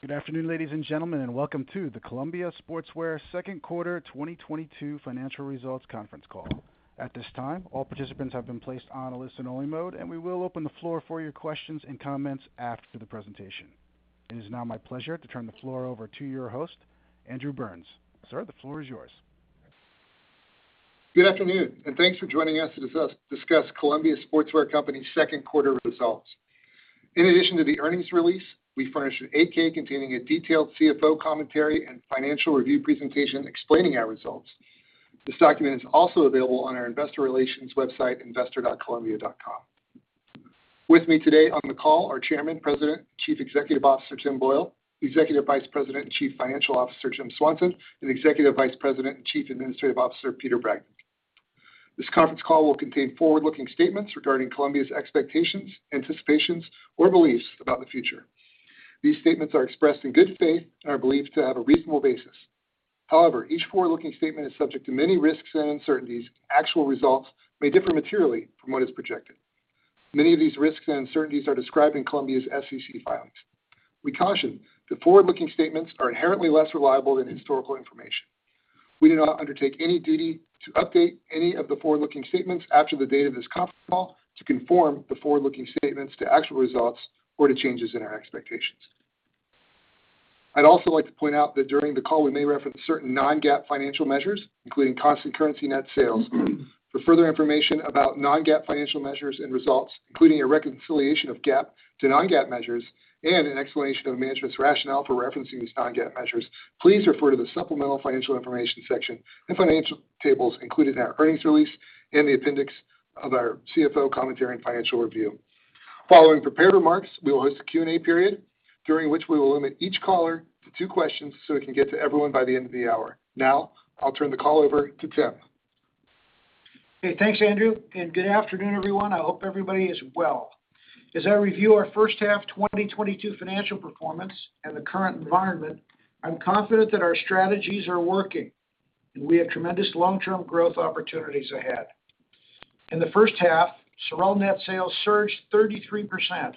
Good afternoon, ladies and gentlemen, and welcome to the Columbia Sportswear Second Quarter 2022 Financial Results Conference Call. At this time, all participants have been placed on a listen only mode, and we will open the floor for your questions and comments after the presentation. It is now my pleasure to turn the floor over to your host, Andrew Burns. Sir, the floor is yours. Good afternoon, and thanks for joining us to discuss Columbia Sportswear Company's second quarter results. In addition to the earnings release, we furnished an 8-K containing a detailed CFO commentary and financial review presentation explaining our results. This document is also available on our investor relations website, investor.columbia.com. With me today on the call are Chairman, President, Chief Executive Officer, Tim Boyle, Executive Vice President and Chief Financial Officer, Jim Swanson, and Executive Vice President and Chief Administrative Officer, Peter Bragdon. This conference call will contain forward-looking statements regarding Columbia's expectations, anticipations, or beliefs about the future. These statements are expressed in good faith and are believed to have a reasonable basis. However, each forward-looking statement is subject to many risks and uncertainties. Actual results may differ materially from what is projected. Many of these risks and uncertainties are described in Columbia's SEC filings. We caution that forward-looking statements are inherently less reliable than historical information. We do not undertake any duty to update any of the forward-looking statements after the date of this conference call to conform the forward-looking statements to actual results or to changes in our expectations. I'd also like to point out that during the call we may reference certain non-GAAP financial measures, including constant currency net sales. For further information about non-GAAP financial measures and results, including a reconciliation of GAAP to non-GAAP measures and an explanation of management's rationale for referencing these non-GAAP measures, please refer to the supplemental financial information section and financial tables included in our earnings release in the appendix of our CFO commentary and financial review. Following prepared remarks, we will host a Q&A period during which we will limit each caller to two questions, so we can get to everyone by the end of the hour. Now, I'll turn the call over to Tim. Hey, thanks, Andrew, and good afternoon, everyone. I hope everybody is well. As I review our first half 2022 financial performance and the current environment, I'm confident that our strategies are working, and we have tremendous long-term growth opportunities ahead. In the first half, SOREL net sales surged 33%.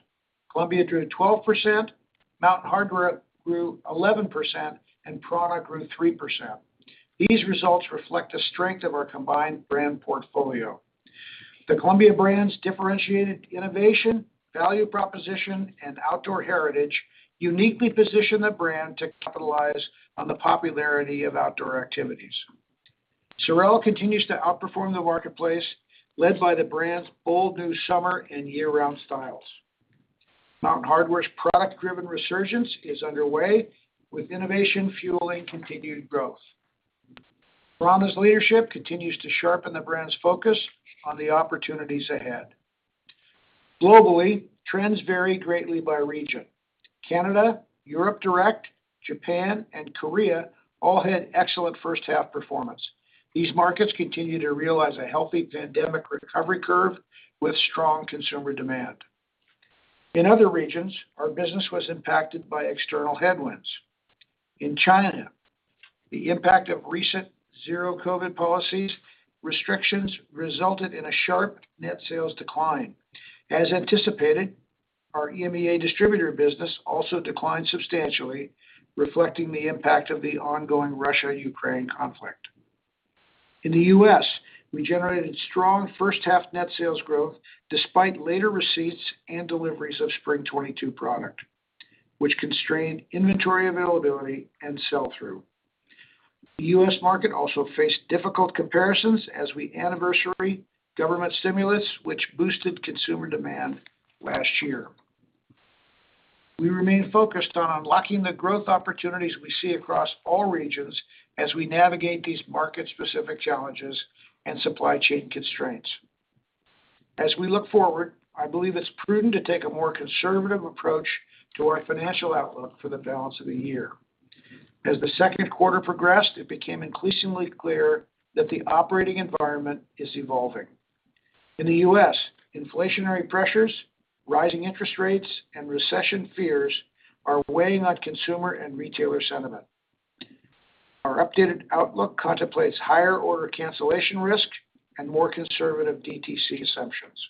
Columbia grew 12%, Mountain Hardwear grew 11%, and prAna grew 3%. These results reflect the strength of our combined brand portfolio. The Columbia brand's differentiated innovation, value proposition, and outdoor heritage uniquely position the brand to capitalize on the popularity of outdoor activities. SOREL continues to outperform the marketplace, led by the brand's bold new summer and year-round styles. Mountain Hardwear's product-driven resurgence is underway with innovation fueling continued growth. prAna's leadership continues to sharpen the brand's focus on the opportunities ahead. Globally, trends vary greatly by region. Canada, Europe direct, Japan, and Korea all had excellent first half performance. These markets continue to realize a healthy pandemic recovery curve with strong consumer demand. In other regions, our business was impacted by external headwinds. In China, the impact of recent zero-COVID policies restrictions resulted in a sharp net sales decline. As anticipated, our EMEA distributor business also declined substantially, reflecting the impact of the ongoing Russia-Ukraine conflict. In the U.S., we generated strong first half net sales growth despite later receipts and deliveries of spring 2022 product, which constrained inventory availability and sell-through. The U.S. market also faced difficult comparisons as we anniversary government stimulus which boosted consumer demand last year. We remain focused on unlocking the growth opportunities we see across all regions as we navigate these market-specific challenges and supply chain constraints. As we look forward, I believe it's prudent to take a more conservative approach to our financial outlook for the balance of the year. As the second quarter progressed, it became increasingly clear that the operating environment is evolving. In the U.S., inflationary pressures, rising interest rates, and recession fears are weighing on consumer and retailer sentiment. Our updated outlook contemplates higher order cancellation risk and more conservative DTC assumptions.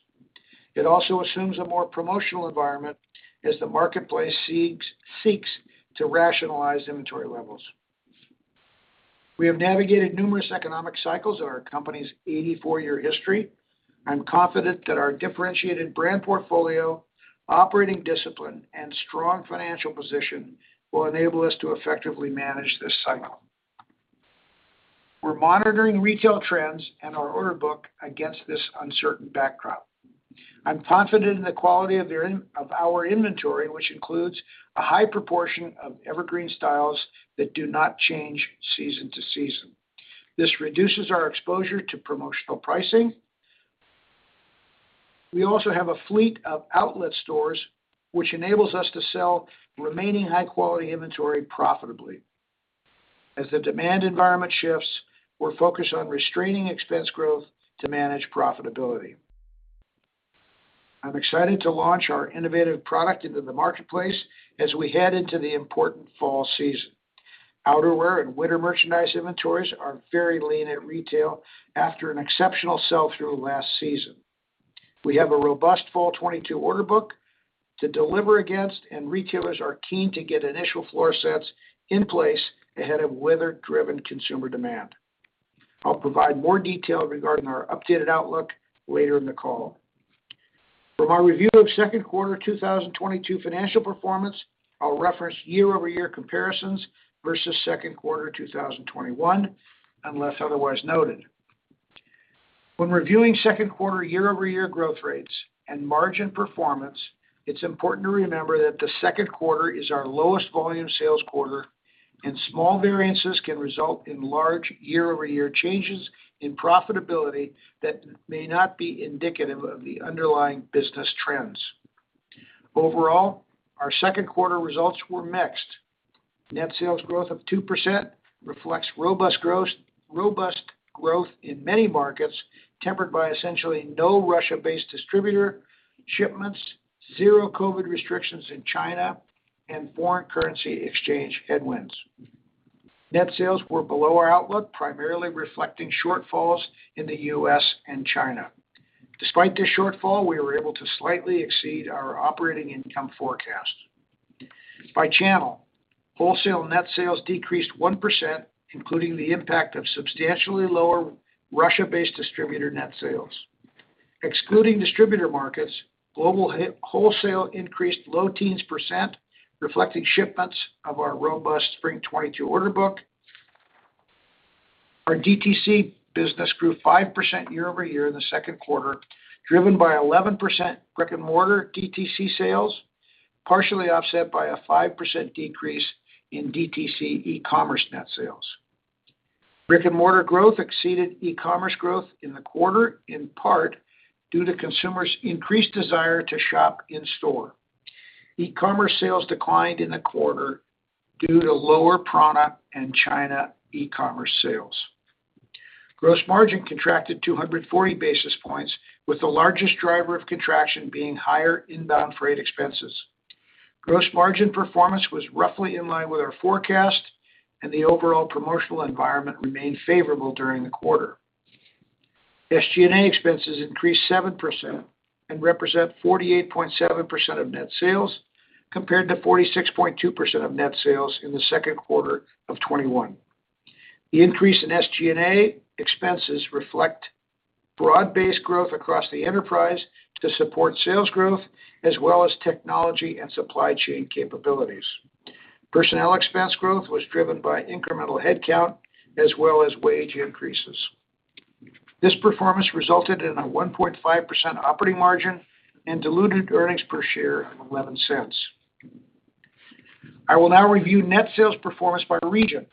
It also assumes a more promotional environment as the marketplace seeks to rationalize inventory levels. We have navigated numerous economic cycles in our company's 84-year history. I'm confident that our differentiated brand portfolio, operating discipline, and strong financial position will enable us to effectively manage this cycle. We're monitoring retail trends and our order book against this uncertain backdrop. I'm confident in the quality of our inventory, which includes a high proportion of evergreen styles that do not change season to season. This reduces our exposure to promotional pricing. We also have a fleet of outlet stores which enables us to sell remaining high-quality inventory profitably. As the demand environment shifts, we're focused on restraining expense growth to manage profitability. I'm excited to launch our innovative product into the marketplace as we head into the important fall season. Outerwear and winter merchandise inventories are very lean at retail after an exceptional sell-through last season. We have a robust fall 2022 order book to deliver against, and retailers are keen to get initial floor sets in place ahead of weather-driven consumer demand. I'll provide more detail regarding our updated outlook later in the call. For my review of second quarter 2022 financial performance, I'll reference year-over-year comparisons versus second quarter 2021, unless otherwise noted. When reviewing second quarter year-over-year growth rates and margin performance, it's important to remember that the second quarter is our lowest volume sales quarter, and small variances can result in large year-over-year changes in profitability that may not be indicative of the underlying business trends. Overall, our second quarter results were mixed. Net sales growth of 2% reflects robust growth in many markets, tempered by essentially no Russia-based distributor shipments, zero COVID restrictions in China, and foreign currency exchange headwinds. Net sales were below our outlook, primarily reflecting shortfalls in the U.S. and China. Despite this shortfall, we were able to slightly exceed our operating income forecast. By channel, wholesale net sales decreased 1%, including the impact of substantially lower Russia-based distributor net sales. Excluding distributor markets, global wholesale increased low teens percent, reflecting shipments of our robust spring 2022 order book. Our DTC business grew 5% year-over-year in the second quarter, driven by 11% brick-and-mortar DTC sales, partially offset by a 5% decrease in DTC e-commerce net sales. Brick-and-mortar growth exceeded e-commerce growth in the quarter, in part due to consumers' increased desire to shop in store. E-commerce sales declined in the quarter due to lower prAna and China e-commerce sales. Gross margin contracted 240 basis points, with the largest driver of contraction being higher inbound freight expenses. Gross margin performance was roughly in line with our forecast, and the overall promotional environment remained favorable during the quarter. SG&A expenses increased 7% and represent 48.7% of net sales, compared to 46.2% of net sales in the second quarter of 2021. The increase in SG&A expenses reflect broad-based growth across the enterprise to support sales growth as well as technology and supply chain capabilities. Personnel expense growth was driven by incremental headcount as well as wage increases. This performance resulted in a 1.5% operating margin and diluted earnings per share of $0.11. I will now review net sales performance by region.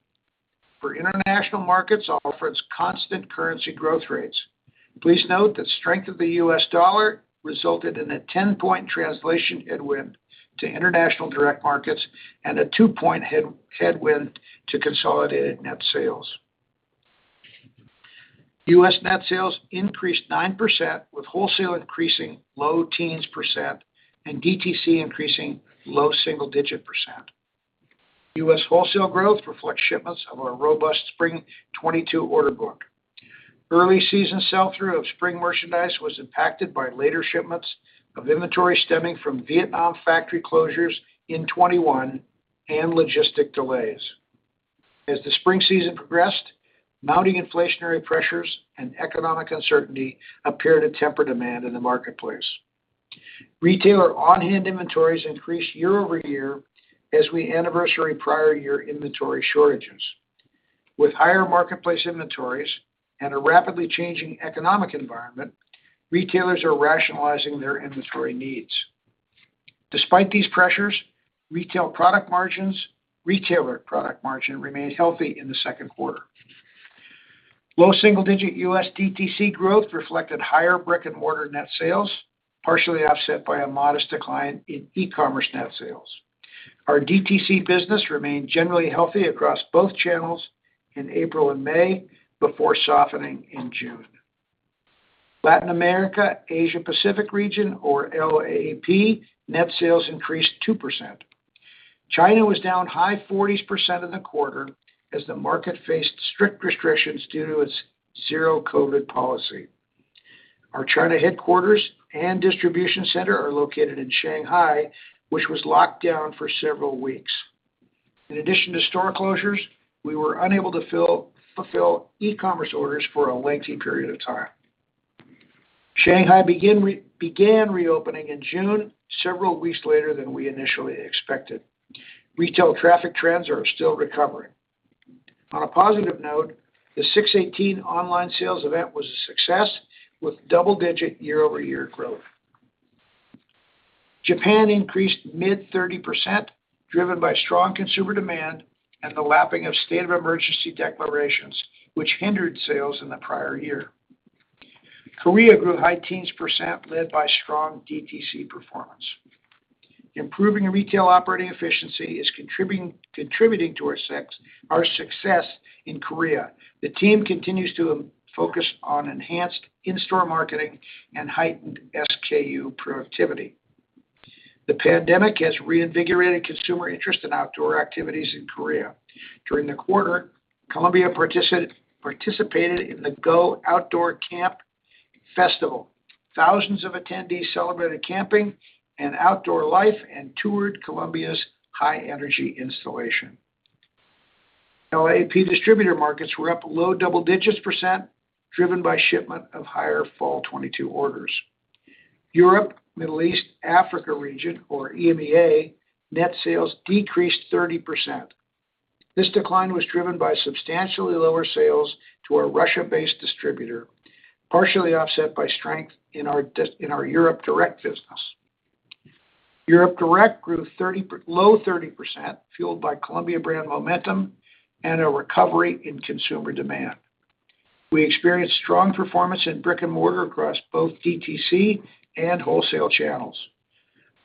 For international markets, I'll reference constant currency growth rates. Please note that strength of the U.S. dollar resulted in a 10-point translation headwind to international direct markets and a two-point headwind to consolidated net sales. U.S. net sales increased 9%, with wholesale increasing low teens percent and DTC increasing low single-digit percent. U.S. wholesale growth reflects shipments of our robust spring 2022 order book. Early season sell-through of spring merchandise was impacted by later shipments of inventory stemming from Vietnam factory closures in 2021 and logistic delays. As the spring season progressed, mounting inflationary pressures and economic uncertainty appeared to temper demand in the marketplace. Retailer on-hand inventories increased year-over-year as we anniversary prior year inventory shortages. With higher marketplace inventories and a rapidly changing economic environment, retailers are rationalizing their inventory needs. Despite these pressures, retailer product margins remained healthy in the second quarter. Low single-digit U.S. DTC growth reflected higher brick-and-mortar net sales, partially offset by a modest decline in e-commerce net sales. Our DTC business remained generally healthy across both channels in April and May before softening in June. Latin America, Asia Pacific region, or LAAP, net sales increased 2%. China was down high 40s% in the quarter as the market faced strict restrictions due to its zero COVID policy. Our China headquarters and distribution center are located in Shanghai, which was locked down for several weeks. In addition to store closures, we were unable to fulfill e-commerce orders for a lengthy period of time. Shanghai began reopening in June, several weeks later than we initially expected. Retail traffic trends are still recovering. On a positive note, the 6/18 online sales event was a success with double-digit year-over-year growth. Japan increased mid-30%, driven by strong consumer demand and the lapping of state of emergency declarations, which hindered sales in the prior year. Korea grew high teens percent, led by strong DTC performance. Improving retail operating efficiency is contributing to our success in Korea. The team continues to focus on enhanced in-store marketing and heightened SKU productivity. The pandemic has reinvigorated consumer interest in outdoor activities in Korea. During the quarter, Columbia participated in the Go Outdoor Camp Festival. Thousands of attendees celebrated camping and outdoor life and toured Columbia's high-energy installation. Now AP distributor markets were up low double digits percent, driven by shipment of higher fall 2022 orders. Europe, Middle East, Africa region, or EMEA, net sales decreased 30%. This decline was driven by substantially lower sales to our Russia-based distributor, partially offset by strength in our in our Europe direct business. Europe direct grew low 30%, fueled by Columbia brand momentum and a recovery in consumer demand. We experienced strong performance in brick-and-mortar across both DTC and wholesale channels.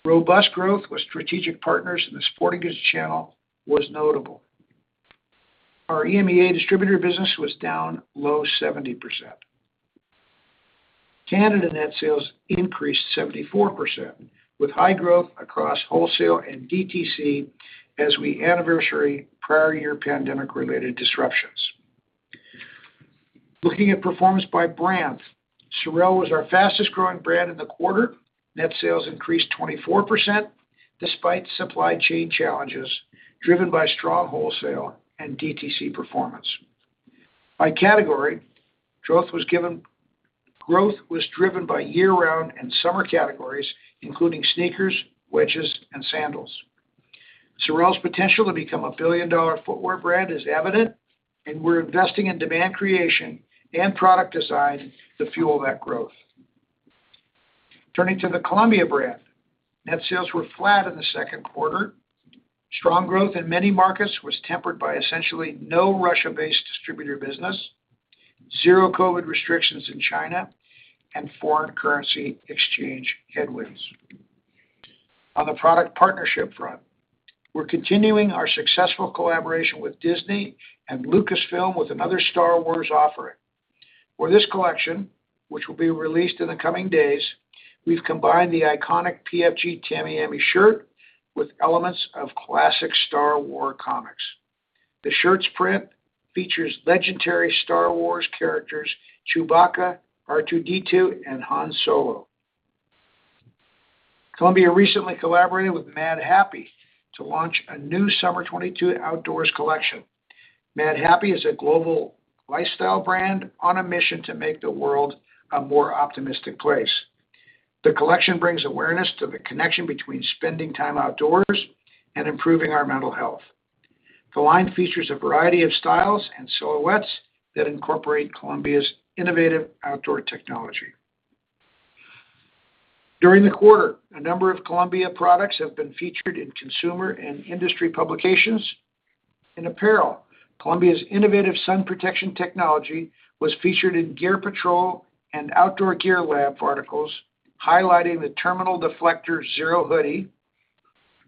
Robust growth with strategic partners in the sporting goods channel was notable. Our EMEA distributor business was down low 70%. Canada net sales increased 74%, with high growth across wholesale and DTC as we anniversary prior year pandemic-related disruptions. Looking at performance by brand, SOREL was our fastest-growing brand in the quarter. Net sales increased 24% despite supply chain challenges driven by strong wholesale and DTC performance. By category, growth was driven by year-round and summer categories, including sneakers, wedges, and sandals. SOREL's potential to become a billion-dollar footwear brand is evident, and we're investing in demand creation and product design to fuel that growth. Turning to the Columbia brand, net sales were flat in the second quarter. Strong growth in many markets was tempered by essentially no Russia-based distributor business, zero COVID restrictions in China, and foreign currency exchange headwinds. On the product partnership front, we're continuing our successful collaboration with Disney and Lucasfilm with another Star Wars offering. For this collection, which will be released in the coming days, we've combined the iconic PFG Tamiami shirt with elements of classic Star Wars comics. The shirt's print features legendary Star Wars characters Chewbacca, R2-D2, and Han Solo. Columbia recently collaborated with Madhappy to launch a new Summer 2022 outdoors collection. Madhappy is a global lifestyle brand on a mission to make the world a more optimistic place. The collection brings awareness to the connection between spending time outdoors and improving our mental health. The line features a variety of styles and silhouettes that incorporate Columbia's innovative outdoor technology. During the quarter, a number of Columbia products have been featured in consumer and industry publications. In apparel, Columbia's innovative sun protection technology was featured in Gear Patrol and Outdoor Gear Lab articles highlighting the Terminal Deflector Zero hoodie,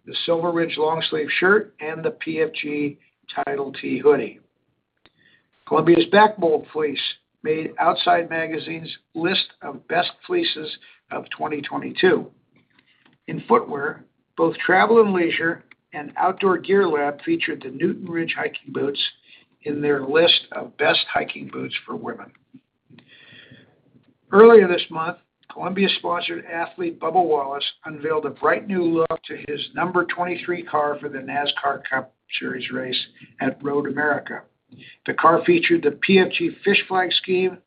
the Silver Ridge long-sleeve shirt, and the PFG Tidal Tee hoodie. Columbia's Benton Springs fleece made Outside's list of best fleeces of 2022. In footwear, both Travel + Leisure and Outdoor Gear Lab featured the Newton Ridge hiking boots in their list of best hiking boots for women. Earlier this month, Columbia-sponsored athlete Bubba Wallace unveiled a bright new look to his number 23 car for the NASCAR Cup Series race at Road America. The car featured the PFG Fish Flag scheme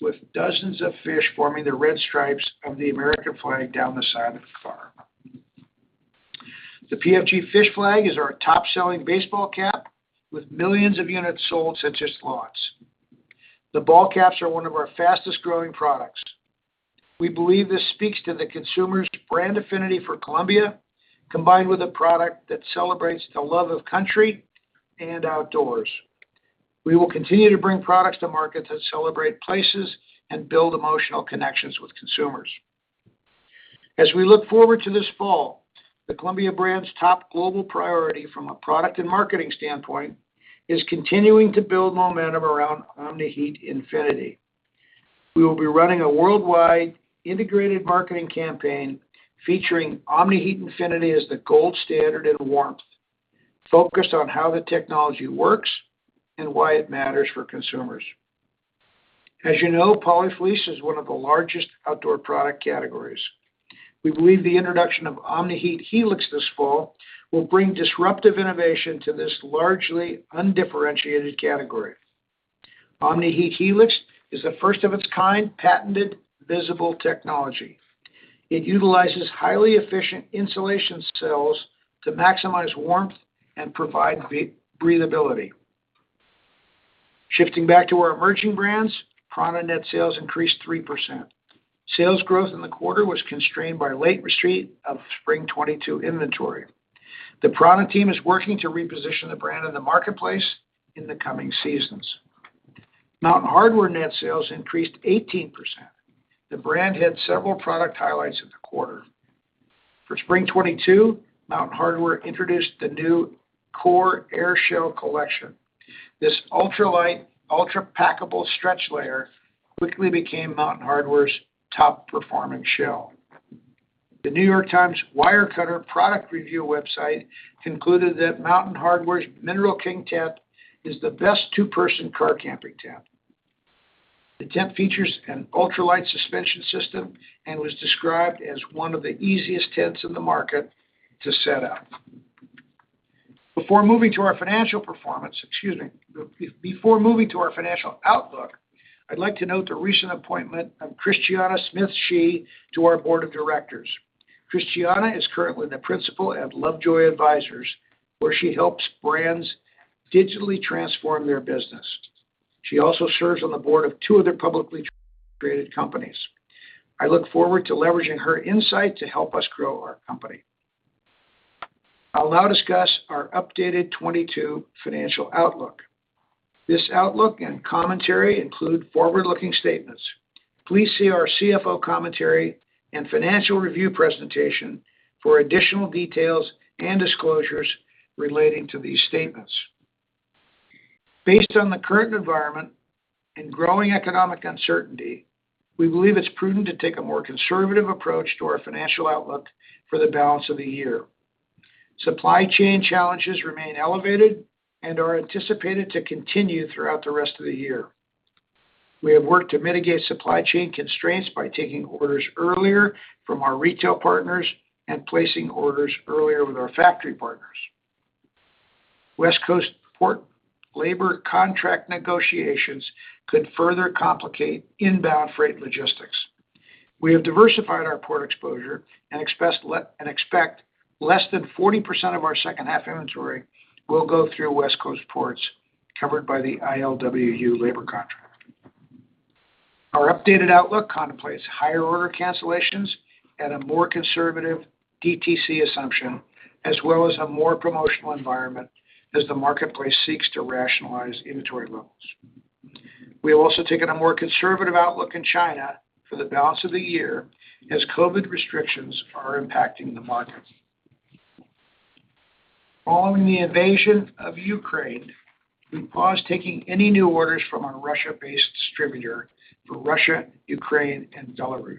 with dozens of fish forming the red stripes of the American flag down the side of the car. The PFG Fish Flag is our top-selling baseball cap with millions of units sold since its launch. The ball caps are one of our fastest-growing products. We believe this speaks to the consumer's brand affinity for Columbia, combined with a product that celebrates the love of country and outdoors. We will continue to bring products to market that celebrate places and build emotional connections with consumers. As we look forward to this fall, the Columbia brand's top global priority from a product and marketing standpoint is continuing to build momentum around Omni-Heat Infinity. We will be running a worldwide integrated marketing campaign featuring Omni-Heat Infinity as the gold standard in warmth, focused on how the technology works and why it matters for consumers. As you know, polyfleece is one of the largest outdoor product categories. We believe the introduction of Omni-Heat Helix this fall will bring disruptive innovation to this largely undifferentiated category. Omni-Heat Helix is a first-of-its-kind patented visible technology. It utilizes highly efficient insulation cells to maximize warmth and provide breathability. Shifting back to our emerging brands, prAna net sales increased 3%. Sales growth in the quarter was constrained by late retreat of spring 2022 inventory. The prAna team is working to reposition the brand in the marketplace in the coming seasons. Mountain Hardwear net sales increased 18%. The brand had several product highlights in the quarter. For spring 2022, Mountain Hardwear introduced the Kor AirShell collection. This ultralight, ultra-packable stretch layer quickly became Mountain Hardwear's top performing shell. The New York Times Wirecutter product review website concluded that Mountain Hardwear's Mineral King Tent is the best two-person car camping tent. The tent features an ultralight suspension system and was described as one of the easiest tents in the market to set up. Before moving to our financial performance. Excuse me. Before moving to our financial outlook, I'd like to note the recent appointment of Christiana Smith Shi to our board of directors. Christiana is currently the principal at Lovejoy Advisors, where she helps brands digitally transform their business. She also serves on the board of two other publicly traded companies. I look forward to leveraging her insight to help us grow our company. I'll now discuss our updated 2022 financial outlook. This outlook and commentary include forward-looking statements. Please see our CFO commentary and financial review presentation for additional details and disclosures relating to these statements. Based on the current environment and growing economic uncertainty, we believe it's prudent to take a more conservative approach to our financial outlook for the balance of the year. Supply chain challenges remain elevated and are anticipated to continue throughout the rest of the year. We have worked to mitigate supply chain constraints by taking orders earlier from our retail partners and placing orders earlier with our factory partners. West Coast port labor contract negotiations could further complicate inbound freight logistics. We have diversified our port exposure and expect less than 40% of our second half inventory will go through West Coast ports covered by the ILWU labor contract. Our updated outlook contemplates higher order cancellations and a more conservative DTC assumption, as well as a more promotional environment as the marketplace seeks to rationalize inventory levels. We have also taken a more conservative outlook in China for the balance of the year as COVID restrictions are impacting the market. Following the invasion of Ukraine, we paused taking any new orders from our Russia-based distributor for Russia, Ukraine, and Belarus.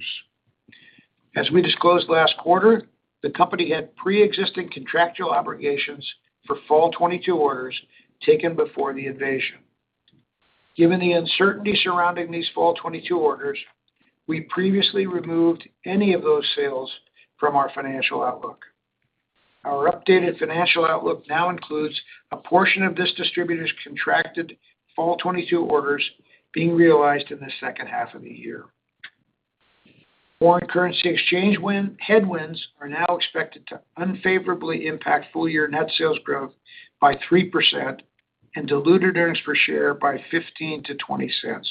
As we disclosed last quarter, the company had preexisting contractual obligations for fall 2022 orders taken before the invasion. Given the uncertainty surrounding these fall 2022 orders, we previously removed any of those sales from our financial outlook. Our updated financial outlook now includes a portion of this distributor's contracted fall 2022 orders being realized in the second half of the year. Foreign currency exchange headwinds are now expected to unfavorably impact full year net sales growth by 3% and diluted earnings per share by $0.15-$0.20.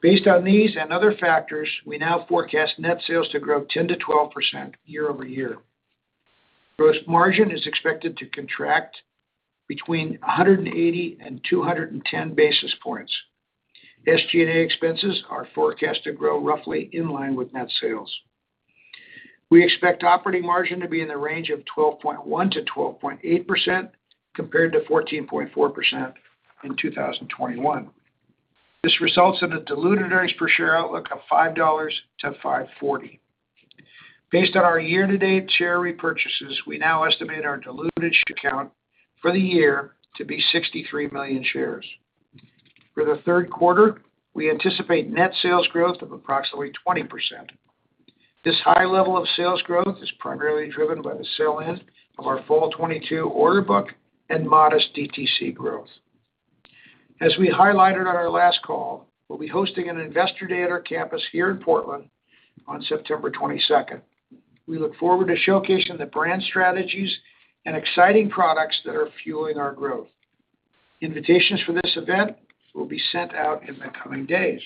Based on these and other factors, we now forecast net sales to grow 10%-12% year-over-year. Gross margin is expected to contract between 180 basis points and 210 basis points. SG&A expenses are forecast to grow roughly in line with net sales. We expect operating margin to be in the range of 12.1%-12.8% compared to 14.4% in 2021. This results in a diluted earnings per share outlook of $5-$5.40. Based on our year-to-date share repurchases, we now estimate our diluted share count for the year to be 63 million shares. For the third quarter, we anticipate net sales growth of approximately 20%. This high level of sales growth is primarily driven by the sell-in of our fall 2022 order book and modest DTC growth. As we highlighted on our last call, we'll be hosting an investor day at our campus here in Portland on September 22. We look forward to showcasing the brand strategies and exciting products that are fueling our growth. Invitations for this event will be sent out in the coming days.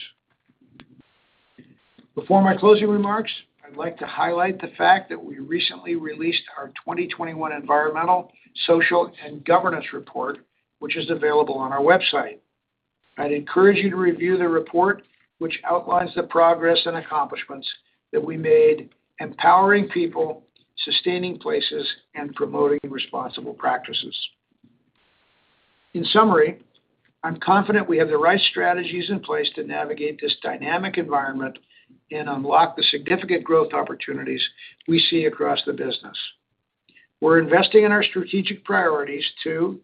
Before my closing remarks, I'd like to highlight the fact that we recently released our 2021 environmental, social, and governance report, which is available on our website. I'd encourage you to review the report, which outlines the progress and accomplishments that we made empowering people, sustaining places, and promoting responsible practices. In summary, I'm confident we have the right strategies in place to navigate this dynamic environment and unlock the significant growth opportunities we see across the business. We're investing in our strategic priorities to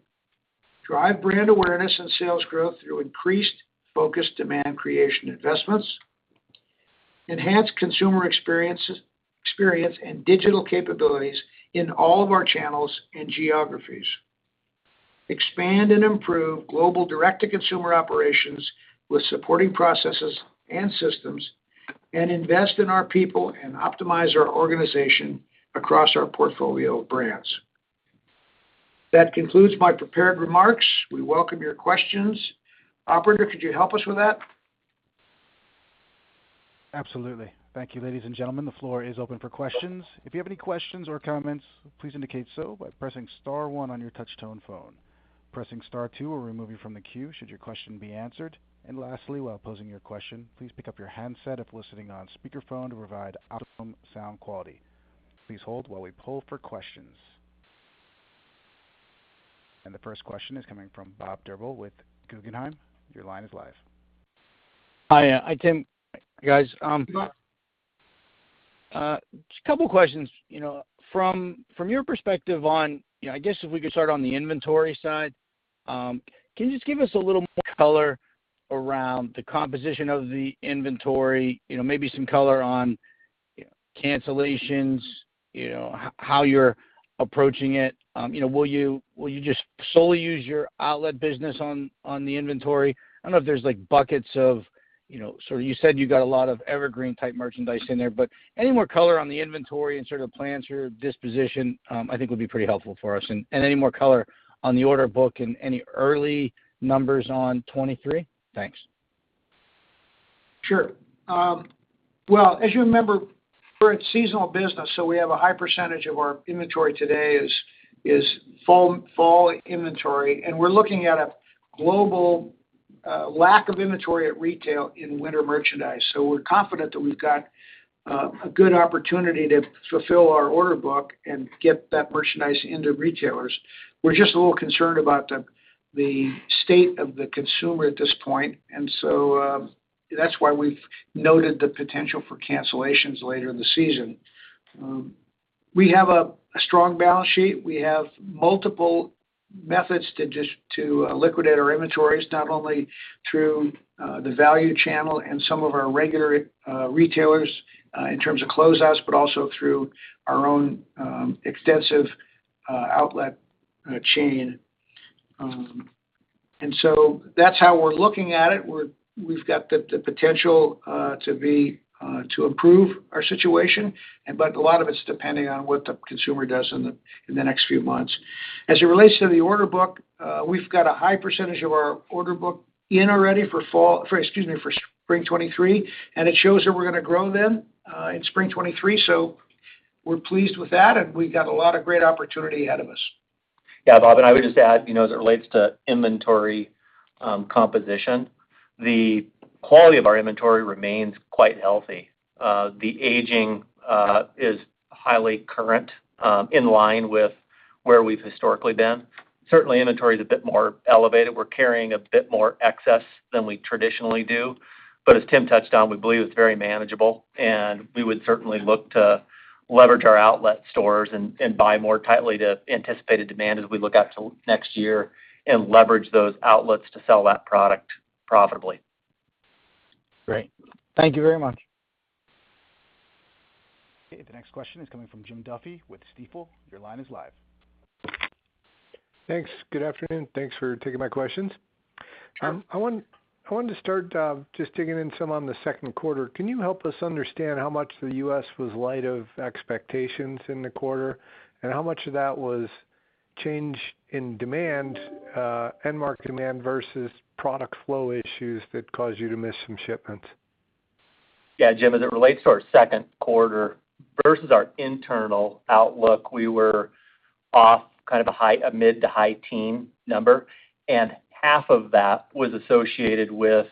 drive brand awareness and sales growth through increased focused demand creation investments, enhance consumer experience and digital capabilities in all of our channels and geographies, expand and improve global direct-to-consumer operations with supporting processes and systems, and invest in our people and optimize our organization across our portfolio of brands. That concludes my prepared remarks. We welcome your questions. Operator, could you help us with that? Absolutely. Thank you, ladies and gentlemen. The floor is open for questions. If you have any questions or comments, please indicate so by pressing star one on your touch-tone phone. Pressing star two will remove you from the queue should your question be answered. Lastly, while posing your question, please pick up your handset if listening on speakerphone to provide optimum sound quality. Please hold while we poll for questions. The first question is coming from Bob Drbul with Guggenheim. Your line is live. Hi. Hi, Tim. Guys. Bob. Just a couple questions. You know, from your perspective on. You know, I guess if we could start on the inventory side. Can you just give us a little more color around the composition of the inventory? You know, maybe some color on, you know, cancellations. You know, how you're approaching it. You know, will you just solely use your outlet business on the inventory? I don't know if there's like buckets of, you know. So you said you got a lot of evergreen type merchandise in there. But any more color on the inventory and sort of plans for disposition, I think would be pretty helpful for us. Any more color on the order book and any early numbers on 2023. Thanks. Sure. As you remember, we're a seasonal business, so we have a high percentage of our inventory today is fall inventory. We're looking at a global lack of inventory at retail in winter merchandise. We're confident that we've got a good opportunity to fulfill our order book and get that merchandise into retailers. We're just a little concerned about the state of the consumer at this point. That's why we've noted the potential for cancellations later in the season. We have a strong balance sheet. We have multiple methods to liquidate our inventories, not only through the value channel and some of our regular retailers in terms of closeouts, but also through our own extensive outlet chain. That's how we're looking at it. We've got the potential to improve our situation but a lot of it's depending on what the consumer does in the next few months. As it relates to the order book, we've got a high percentage of our order book in already for spring 2023, and it shows that we're gonna grow then in spring 2023. We're pleased with that, and we've got a lot of great opportunity ahead of us. Yeah. Bob, I would just add, you know, as it relates to inventory composition, the quality of our inventory remains quite healthy. The aging is highly current, in line with where we've historically been. Certainly, inventory is a bit more elevated. We're carrying a bit more excess than we traditionally do. As Tim touched on, we believe it's very manageable, and we would certainly look to leverage our outlet stores and buy more tightly to anticipated demand as we look out to next year and leverage those outlets to sell that product profitably. Great. Thank you very much. Okay, the next question is coming from Jim Duffy with Stifel. Your line is live. Thanks. Good afternoon. Thanks for taking my questions. Sure. I wanted to start just digging in some on the second quarter. Can you help us understand how much the U.S. was light of expectations in the quarter? How much of that was change in end-market demand versus product flow issues that caused you to miss some shipments? Yeah. Jim, as it relates to our second quarter versus our internal outlook, we were off kind of a high, a mid- to high-teens number, and half of that was associated with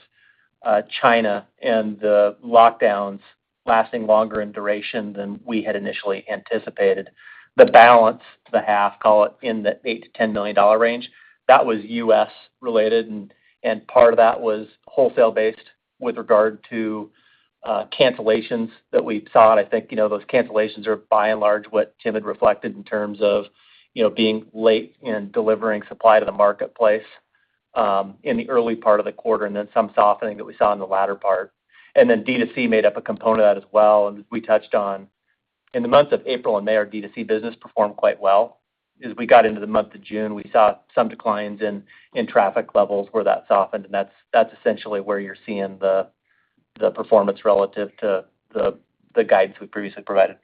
China and the lockdowns lasting longer in duration than we had initially anticipated. The balance to the half, call it in the $8 million-$10 million range, that was U.S. related, and part of that was wholesale-based with regard to cancellations that we saw. I think, you know, those cancellations are by and large what Tim had reflected in terms of, you know, being late in delivering supply to the marketplace in the early part of the quarter, and then some softening that we saw in the latter part. Then D2C made up a component of that as well. As we touched on, in the months of April and May, our D2C business performed quite well. As we got into the month of June, we saw some declines in traffic levels where that softened, and that's essentially where you're seeing the performance relative to the guidance we previously provided.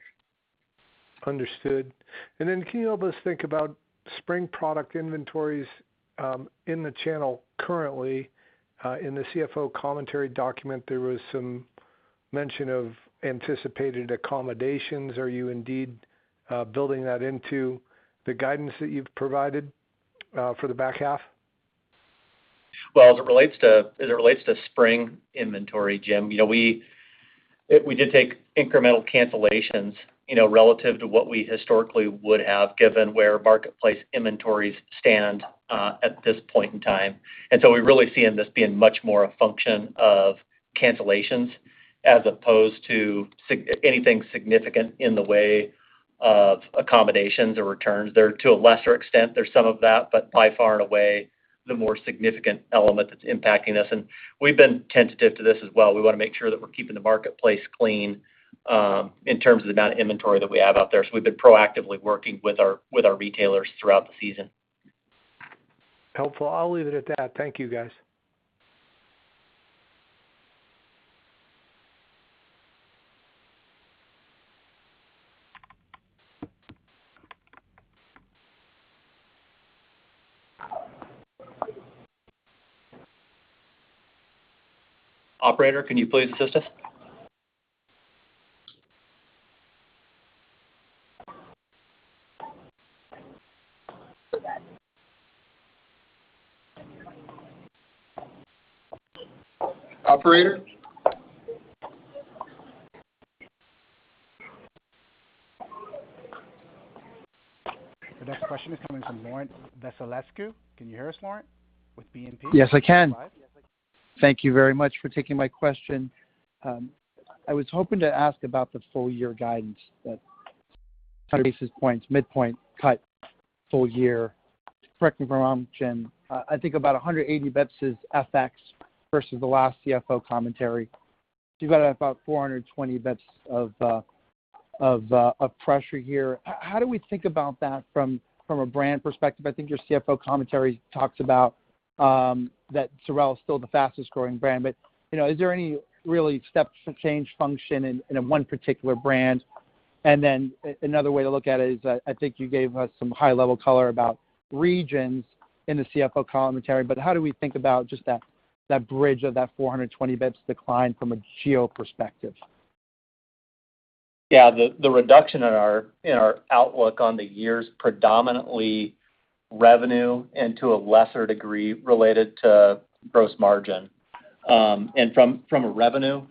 Understood. Can you help us think about spring product inventories in the channel currently? In the CFO commentary document, there was some mention of anticipated accommodations. Are you indeed building that into the guidance that you've provided for the back half? Well, as it relates to spring inventory, Jim, you know, we did take incremental cancellations, you know, relative to what we historically would have given where marketplace inventories stand at this point in time. We're really seeing this being much more a function of cancellations as opposed to anything significant in the way of accommodations or returns. To a lesser extent, there's some of that, but by far and away, the more significant element that's impacting us. We've been attentive to this as well. We wanna make sure that we're keeping the marketplace clean in terms of the amount of inventory that we have out there. We've been proactively working with our retailers throughout the season. Helpful. I'll leave it at that. Thank you, guys. Operator, can you please assist us? Operator? The next question is coming from Laurent Vasilescu. Can you hear us, Laurent, with BNP? Yes, I can. All right. Thank you very much for taking my question. I was hoping to ask about the full year guidance that basis points midpoint cut full year. Correct me if I'm wrong, Jim, I think about 180 basis points is FX versus the last CFO commentary. You've got about 420 basis points of pressure here. How do we think about that from a brand perspective? I think your CFO commentary talks about that SOREL is still the fastest-growing brand, but you know, is there any really step change function in one particular brand? Another way to look at it is I think you gave us some high-level color about regions in the CFO commentary, but how do we think about just that bridge of that 420 basis points decline from a geo perspective? Yeah. The reduction in our outlook on the year is predominantly revenue and to a lesser degree related to gross margin. From a revenue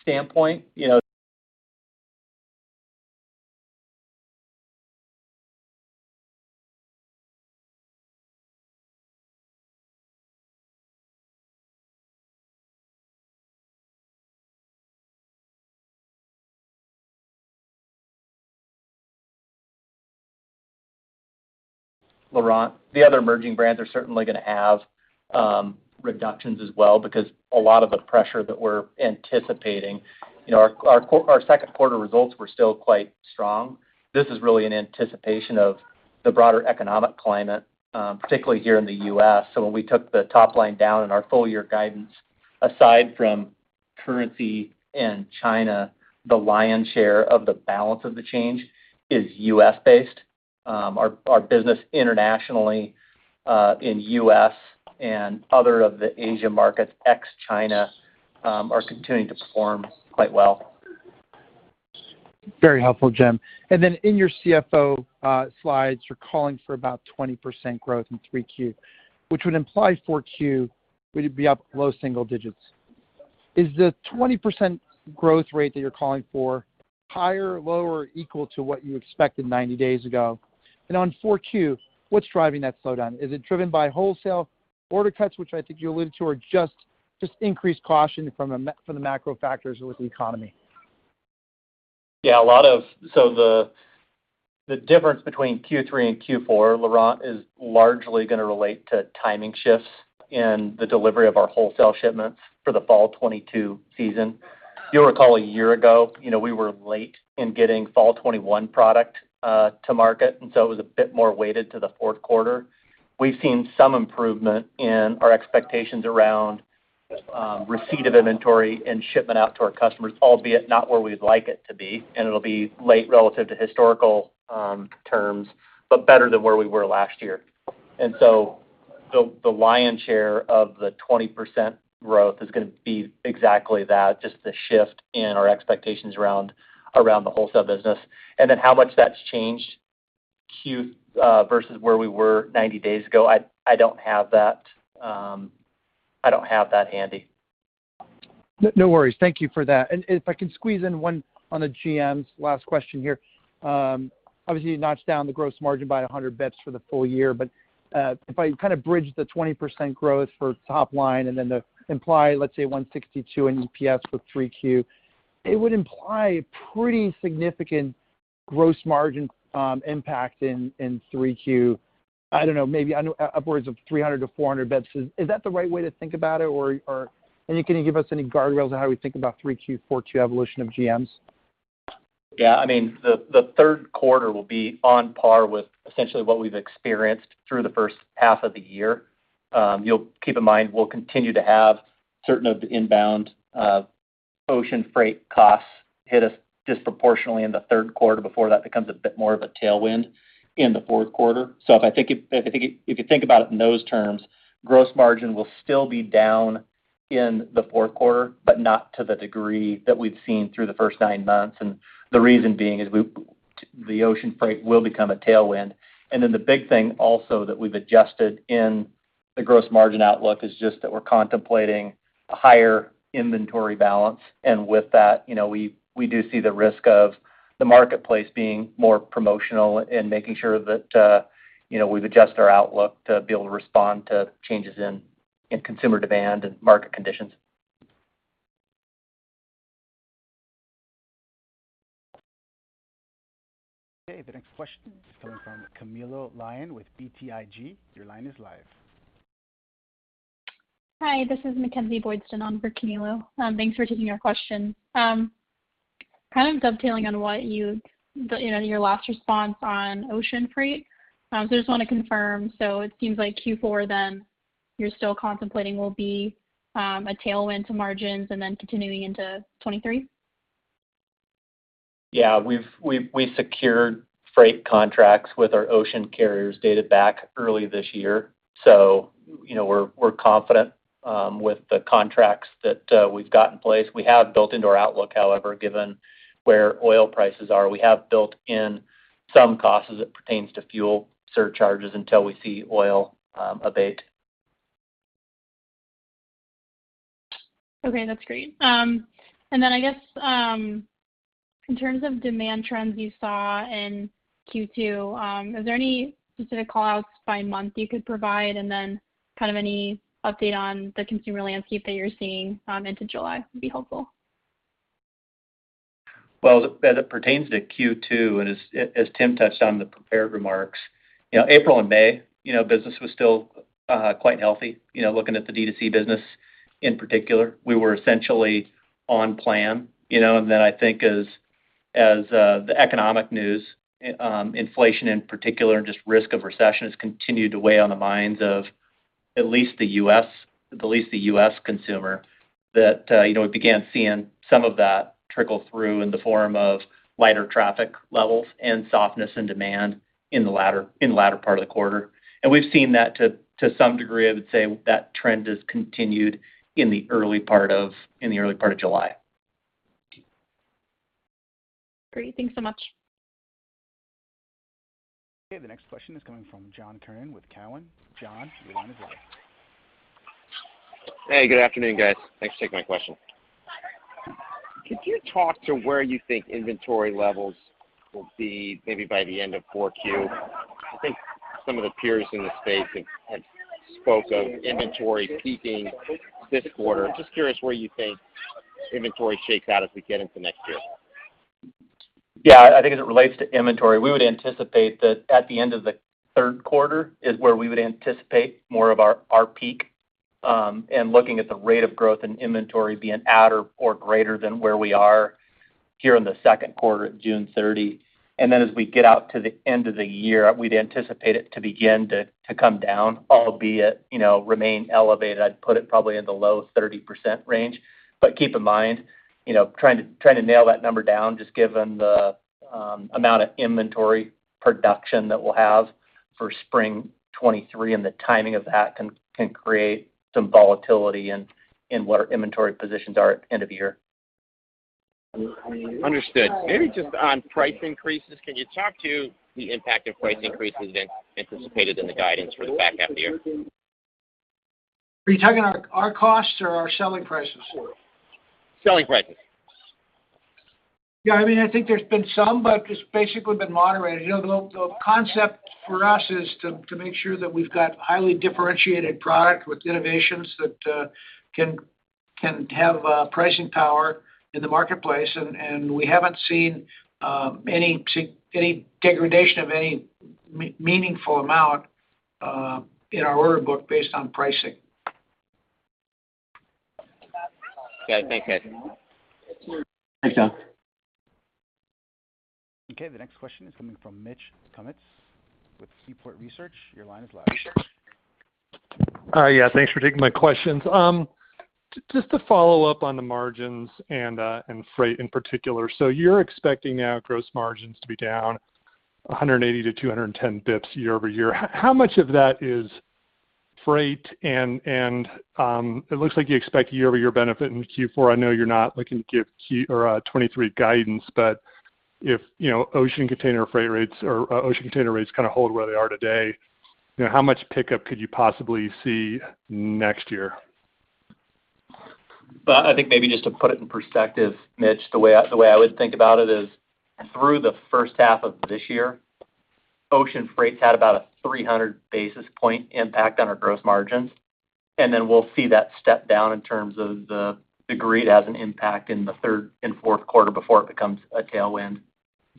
standpoint, you know, Laurent, the other emerging brands are certainly gonna have reductions as well because a lot of the pressure that we're anticipating, you know, our second quarter results were still quite strong. This is really an anticipation of the broader economic climate, particularly here in the U.S. When we took the top line down in our full year guidance, aside from currency and China, the lion's share of the balance of the change is U.S.-based. Our business internationally in U.S. and other of the Asia markets, ex-China, are continuing to perform quite well. Very helpful, Jim. Then in your CFO slides, you're calling for about 20% growth in 3Q. Which would imply 4Q would be up low single digits. Is the 20% growth rate that you're calling for higher or lower or equal to what you expected 90 days ago? On 4Q, what's driving that slowdown? Is it driven by wholesale order cuts, which I think you alluded to, or just increased caution from the macro factors with the economy? Yeah. The difference between Q3 and Q4, Laurent, is largely gonna relate to timing shifts in the delivery of our wholesale shipments for the fall 2022 season. You'll recall a year ago, you know, we were late in getting fall 2021 product to market, and it was a bit more weighted to the fourth quarter. We've seen some improvement in our expectations around receipt of inventory and shipment out to our customers, albeit not where we'd like it to be, and it'll be late relative to historical terms, but better than where we were last year. The lion's share of the 20% growth is gonna be exactly that, just the shift in our expectations around the wholesale business. How much that's changed versus where we were 90 days ago, I don't have that. I don't have that handy. No worries. Thank you for that. If I can squeeze in one on the GMs, last question here. Obviously, you notched down the gross margin by 100 basis points for the full year, but if I kind of bridge the 20% growth for top line and then the implied, let's say, 162 in EPS for 3Q, it would imply pretty significant gross margin impact in 3Q. I don't know, maybe upwards of 300 basis points-400 basis points. Is that the right way to think about it or. Can you give us any guardrails on how we think about 3Q, 4Q evolution of GMs? I mean, the third quarter will be on par with essentially what we've experienced through the first half of the year. You'll keep in mind, we'll continue to have certain of the inbound ocean freight costs hit us disproportionately in the third quarter before that becomes a bit more of a tailwind in the fourth quarter. If you think about it in those terms, gross margin will still be down in the fourth quarter, but not to the degree that we've seen through the first nine months. The reason being is the ocean freight will become a tailwind. The big thing also that we've adjusted in the gross margin outlook is just that we're contemplating a higher inventory balance. With that, you know, we do see the risk of the marketplace being more promotional and making sure that, you know, we've adjusted our outlook to be able to respond to changes in consumer demand and market conditions. Okay. The next question is coming from Camilo Lyon with BTIG. Your line is live. Hi, this is Mackenzie Boydstun on for Camilo Lyon. Thanks for taking our question. Kind of dovetailing on what you know, your last response on ocean freight. I just want to confirm, so it seems like Q4 then you're still contemplating will be a tailwind to margins and then continuing into 2023? Yeah. We've secured freight contracts with our ocean carriers dated back early this year. You know, we're confident with the contracts that we've got in place. We have built into our outlook, however, given where oil prices are. We have built in some costs as it pertains to fuel surcharges until we see oil abate. Okay, that's great. I guess, in terms of demand trends you saw in Q2, is there any specific call-outs by month you could provide? Kind of any update on the consumer landscape that you're seeing, into July would be helpful. Well, as it pertains to Q2, as Tim touched on the prepared remarks, you know, April and May, you know, business was still quite healthy. You know, looking at the D2C business in particular, we were essentially on plan, you know. I think as the economic news, inflation in particular, and just risk of recession has continued to weigh on the minds of at least the U.S. consumer, that you know, we began seeing some of that trickle through in the form of lighter traffic levels and softness in demand in the latter part of the quarter. We've seen that to some degree, I would say that trend has continued in the early part of July. Great. Thanks so much. Okay. The next question is coming from John Kernan with Cowen. John, your line is live. Hey, good afternoon, guys. Thanks for taking my question. Could you talk to where you think inventory levels will be maybe by the end of 4Q? I think some of the peers in the space have spoke of inventory peaking this quarter. Just curious where you think inventory shakes out as we get into next year. I think as it relates to inventory, we would anticipate that at the end of the third quarter is where we would anticipate more of our peak, and looking at the rate of growth in inventory being at or greater than where we are here in the second quarter at June 30. Then as we get out to the end of the year, we'd anticipate it to begin to come down, albeit you know remain elevated. I'd put it probably in the low 30% range. But keep in mind, you know, trying to nail that number down just given the amount of inventory production that we'll have for spring 2023 and the timing of that can create some volatility in what our inventory positions are at end of the year. Understood. Maybe just on price increases, can you talk to the impact of price increases anticipated in the guidance for the back half of the year? Are you talking our costs or our selling prices? Selling prices. Yeah. I mean, I think there's been some, but it's basically been moderated. You know, the concept for us is to make sure that we've got highly differentiated product with innovations that can have pricing power in the marketplace. We haven't seen any degradation of any meaningful amount in our order book based on pricing. Okay, thanks guys. Thanks, John. Okay. The next question is coming from Mitch Kummetz with Seaport Research. Your line is live. Hi. Yeah, thanks for taking my questions. Just to follow up on the margins and freight in particular. You're expecting now gross margins to be down 180 basis points-210 basis points year-over-year. How much of that is freight? It looks like you expect year-over-year benefit in Q4. I know you're not looking to give key or 2023 guidance, but if, you know, ocean container freight rates or ocean container rates kind of hold where they are today, you know, how much pickup could you possibly see next year? Well, I think maybe just to put it in perspective, Mitch, the way I would think about it is through the first half of this year, ocean freight's had about a 300 basis point impact on our gross margins. Then we'll see that step down in terms of the freight as an impact in the third and fourth quarter before it becomes a tailwind.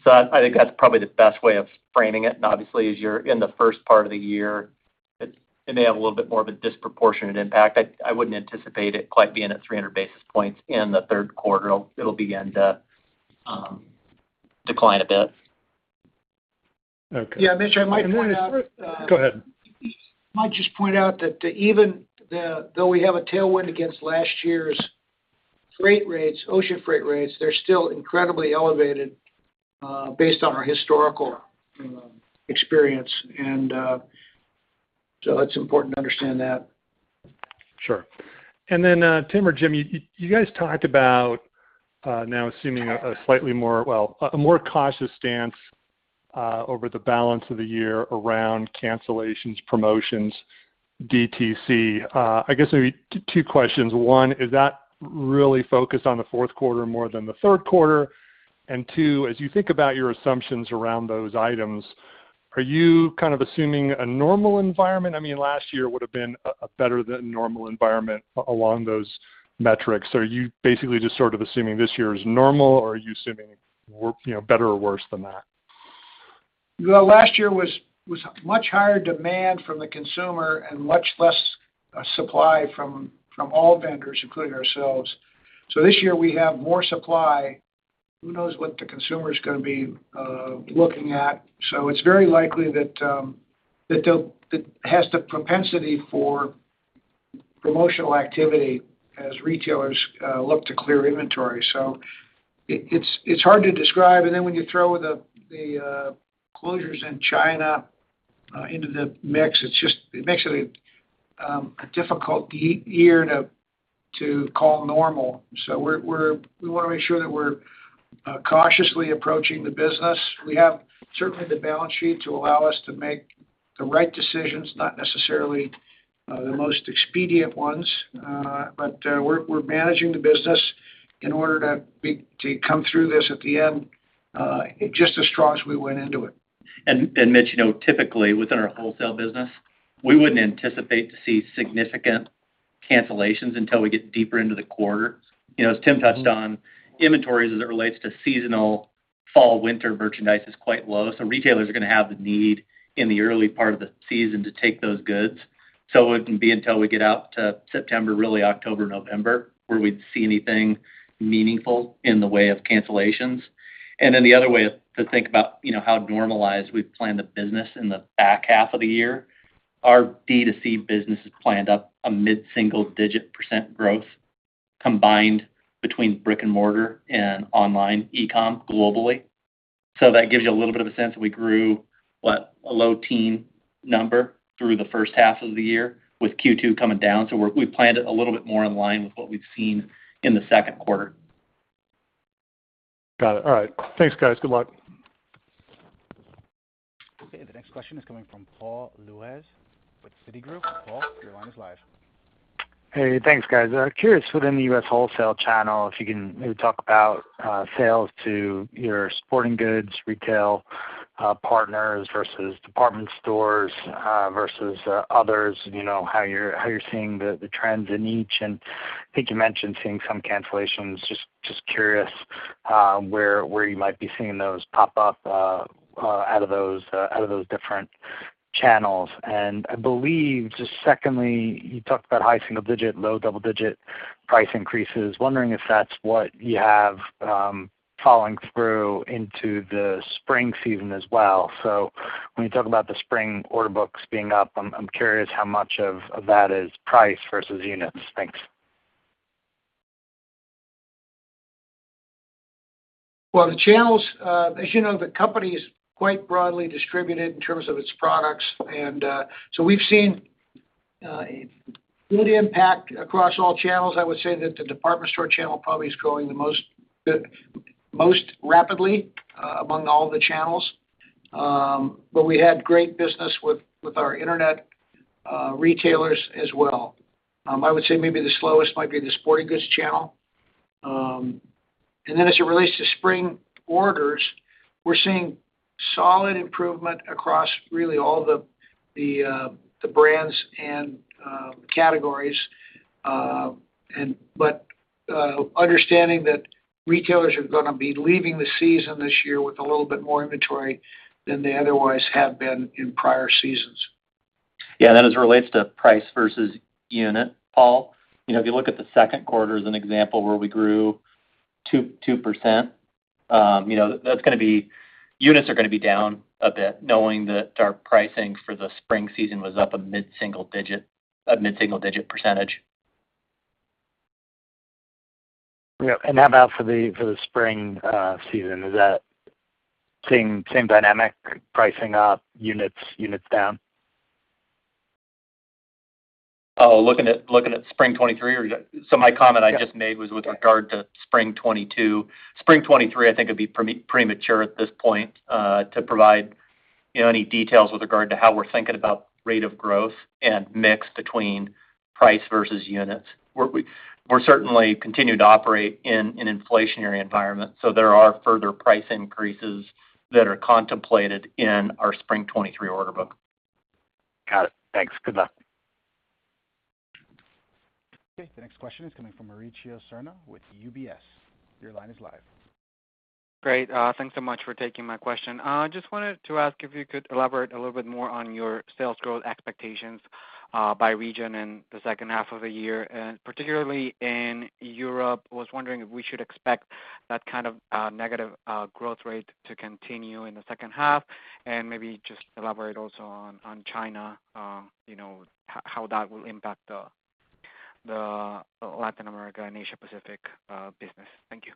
I think that's probably the best way of framing it. Obviously, as you're in the first part of the year, it may have a little bit more of a disproportionate impact. I wouldn't anticipate it quite being at 300 basis points in the third quarter. It'll begin to decline a bit. Okay. Yeah, Mitch, I might point out. Go ahead. I might just point out that even though we have a tailwind against last year's freight rates, ocean freight rates, they're still incredibly elevated based on our historical experience. It's important to understand that. Sure. Tim or Jim, you guys talked about now assuming a more cautious stance over the balance of the year around cancellations, promotions, DTC. I guess two questions. One, is that really focused on the fourth quarter more than the third quarter? Two, as you think about your assumptions around those items, are you kind of assuming a normal environment? I mean, last year would have been a better than normal environment along those metrics. Are you basically just sort of assuming this year is normal, or are you assuming worse, you know, better or worse than that? Well, last year was much higher demand from the consumer and much less supply from all vendors, including ourselves. This year, we have more supply. Who knows what the consumer's gonna be looking at. It's very likely that it has the propensity for promotional activity as retailers look to clear inventory. It's hard to describe. When you throw the closures in China into the mix, it makes it a difficult year to call normal. We wanna make sure that we're cautiously approaching the business. We have certainly the balance sheet to allow us to make the right decisions, not necessarily the most expedient ones. We're managing the business in order to come through this at the end, just as strong as we went into it. Mitch, you know, typically, within our wholesale business, we wouldn't anticipate to see significant cancellations until we get deeper into the quarter. You know, as Tim touched on, inventories as it relates to seasonal fall/winter merchandise is quite low, so retailers are gonna have the need in the early part of the season to take those goods. It wouldn't be until we get out to September, really October, November, where we'd see anything meaningful in the way of cancellations. Then the other way to think about, you know, how normalized we've planned the business in the back half of the year, our D2C business is planned up a mid-single digit percent growth combined between brick-and-mortar and online e-com globally. That gives you a little bit of a sense that we grew, what? A low teen number through the first half of the year with Q2 coming down. We planned it a little bit more in line with what we've seen in the second quarter. Got it. All right. Thanks, guys. Good luck. Okay. The next question is coming from Paul Lejuez with Citigroup. Paul, your line is live. Hey. Thanks, guys. Curious within the U.S. wholesale channel, if you can maybe talk about sales to your sporting goods retail partners versus department stores versus others. You know, how you're seeing the trends in each. I think you mentioned seeing some cancellations. Just curious where you might be seeing those pop up out of those different channels. I believe just secondly, you talked about high single-digit, low double-digit price increases. Wondering if that's what you have falling through into the spring season as well. When you talk about the spring order books being up, I'm curious how much of that is price versus units. Thanks. Well, the channels, as you know, the company is quite broadly distributed in terms of its products and. We've seen good impact across all channels. I would say that the department store channel probably is growing the most rapidly among all the channels. We had great business with our internet retailers as well. I would say maybe the slowest might be the sporting goods channel. Then as it relates to spring orders, we're seeing solid improvement across really all the brands and categories. Understanding that retailers are gonna be leaving the season this year with a little bit more inventory than they otherwise have been in prior seasons. Yeah. As it relates to price versus unit, Paul, you know, if you look at the second quarter as an example where we grew 2%, you know, that's gonna be. Units are gonna be down a bit knowing that our pricing for the spring season was up a mid-single digit percentage. Yeah. How about for the spring season? Is that the same dynamic, pricing up, units down? Looking at spring 2023 or you. My comment I just made it was with regard to spring 2022. Spring 2023 I think it'd be premature at this point to provide, you know, any details with regard to how we're thinking about rate of growth and mix between price versus units. We're certainly continuing to operate in an inflationary environment, so there are further price increases that are contemplated in our spring 2023 order book. Got it. Thanks. Good luck. Okay. The next question is coming from Mauricio Serna with UBS. Your line is live. Great. Thanks so much for taking my question. Just wanted to ask if you could elaborate a little bit more on your sales growth expectations by region in the second half of the year, and particularly in Europe. Was wondering if we should expect that kind of negative growth rate to continue in the second half, and maybe just elaborate also on China, you know, how that will impact the Latin America and Asia Pacific business. Thank you.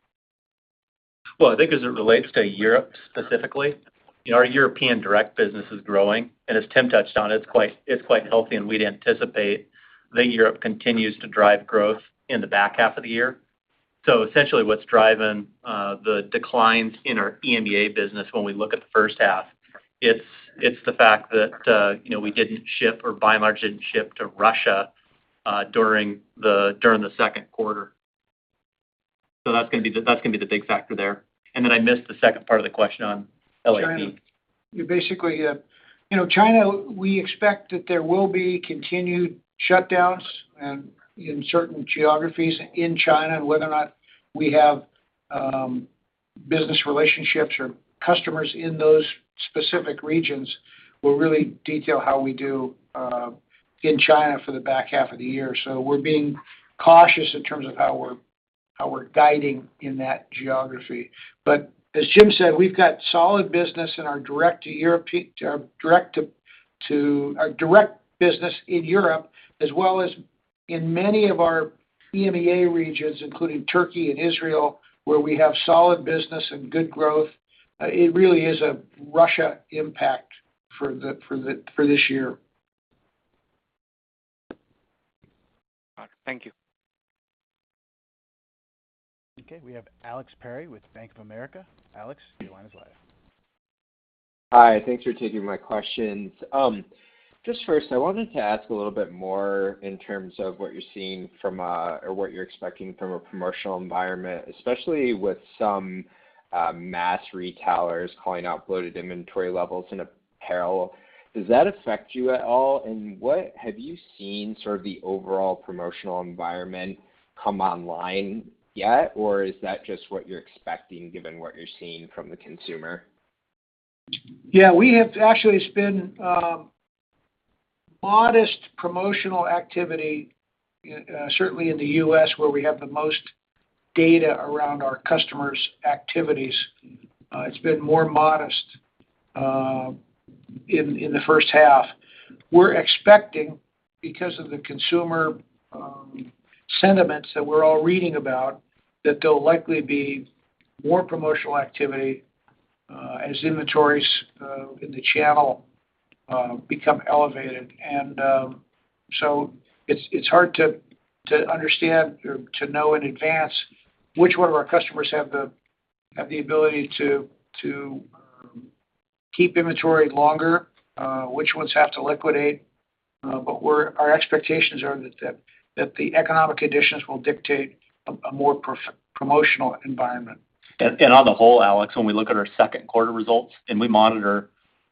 Well, I think as it relates to Europe specifically, you know, our European direct business is growing. As Tim touched on, it's quite healthy, and we'd anticipate that Europe continues to drive growth in the back half of the year. Essentially, what's driving the declines in our EMEA business when we look at the first half, it's the fact that, you know, we didn't ship or BuyMart didn't ship to Russia during the second quarter. That's gonna be the big factor there. I missed the second part of the question on LAAP. China. Yeah, basically, you know, China, we expect that there will be continued shutdowns in certain geographies in China, and whether or not we have business relationships or customers in those specific regions will really detail how we do in China for the back half of the year. We're being cautious in terms of how we're guiding in that geography. As Jim said, we've got solid business in our direct business in Europe as well as in many of our EMEA regions, including Turkey and Israel, where we have solid business and good growth. It really is a Russia impact for this year. All right. Thank you. Okay. We have Alex Perry with Bank of America. Alex, your line is live. Hi. Thanks for taking my questions. Just first, I wanted to ask a little bit more in terms of what you're seeing from, or what you're expecting from a commercial environment, especially with some mass retailers calling out bloated inventory levels in apparel. Does that affect you at all? What have you seen sort of the overall promotional environment come online yet? Is that just what you're expecting given what you're seeing from the consumer? Yeah, we have actually seen modest promotional activity, certainly in the US where we have the most data around our customers' activities. It's been more modest in the first half. We're expecting, because of the consumer sentiments that we're all reading about, that there'll likely be more promotional activity as inventories in the channel become elevated. It's hard to understand or to know in advance which one of our customers have the ability to keep inventory longer, which ones have to liquidate. Our expectations are that the economic conditions will dictate a more promotional environment. on the whole, Alex, when we look at our second quarter results and we monitor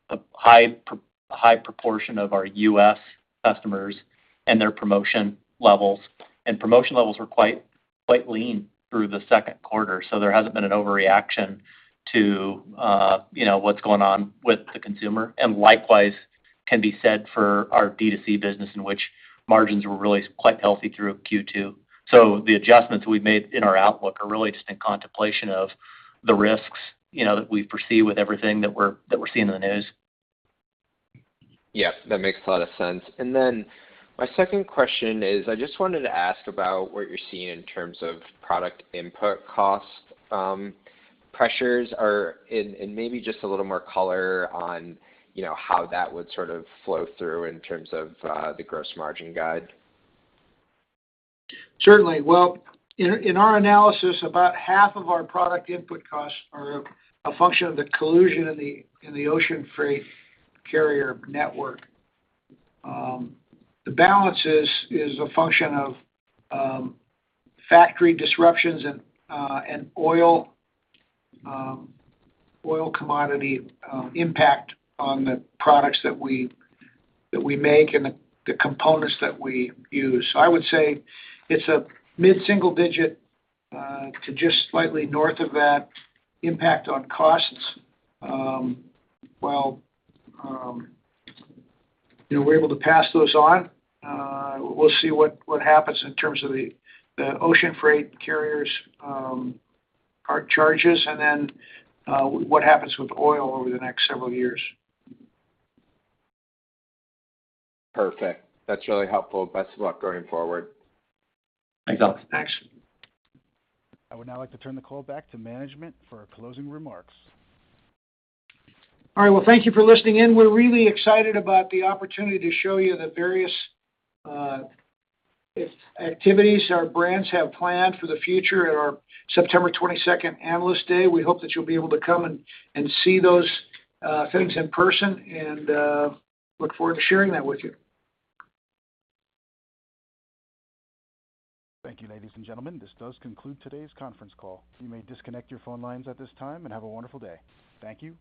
the high proportion of our U.S. customers and their promotion levels, and promotion levels were quite lean through the second quarter, so there hasn't been an overreaction to, you know, what's going on with the consumer, and likewise can be said for our D2C business in which margins were really quite healthy through Q2. The adjustments we've made in our outlook are really just in contemplation of the risks, you know, that we foresee with everything that we're seeing in the news. Yeah, that makes a lot of sense. Then my second question is, I just wanted to ask about what you're seeing in terms of product input cost pressures, and maybe just a little more color on, you know, how that would sort of flow through in terms of the gross margin guide. Certainly. Well, in our analysis, about half of our product input costs are a function of the collusion in the ocean freight carrier network. The balance is a function of factory disruptions and oil commodity impact on the products that we make and the components that we use. I would say it's a mid-single-digit to just slightly north of that impact on costs. While you know, we're able to pass those on, we'll see what happens in terms of the ocean freight carriers' surcharges and then what happens with oil over the next several years. Perfect. That's really helpful. Best of luck going forward. Thanks, Alex. Thanks. I would now like to turn the call back to management for our closing remarks. All right. Well, thank you for listening in. We're really excited about the opportunity to show you the various activities our brands have planned for the future at our September 22nd Analyst Day. We hope that you'll be able to come and see those things in person and look forward to sharing that with you. Thank you, ladies and gentlemen. This does conclude today's conference call. You may disconnect your phone lines at this time and have a wonderful day. Thank you.